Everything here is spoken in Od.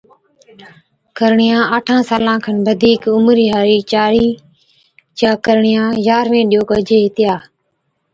ڪرڻِيان، آٺان سالان کن بڌِيڪ عمري ھاڙِي چاڙي (ڇوھِرِي) چِيا ڪرڻِيان يارھوي ڏيئو ڪجي ھِتيا